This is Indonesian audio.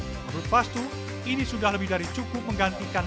menurut fastu ini sudah lebih dari cukup menggantikan